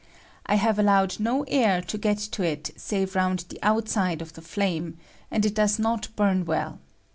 I have allowed no air to get to it save round the outside of the flame, and it does not bum well.